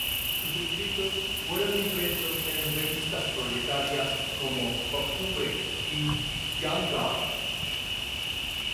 Sus escritos fueron impresos en revistas proletarias como "Octubre" y "Young Guard".